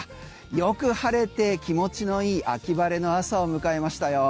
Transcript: よく晴れて気持ちの良い秋晴れの朝を迎えましたよ。